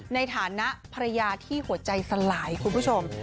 ในฐานะภรรยาที่หัวใจสลายคุณผู้ชม